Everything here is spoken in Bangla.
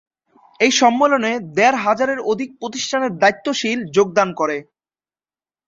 এই সম্মেলনে দেড় হাজারের অধিক প্রতিষ্ঠানের দায়িত্বশীল যোগদান করে।